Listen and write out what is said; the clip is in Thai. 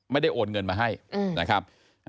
ไม่ได้โอนเงินมาให้นะครับ